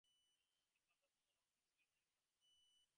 The converse to this statement is not true.